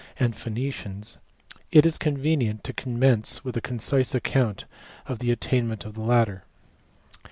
and Phoenicians it is convenient to commence with a concise account of the attainments of the latter.